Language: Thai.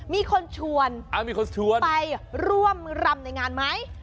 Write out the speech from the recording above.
มีคนชวนไปร่วมรำในงานไหม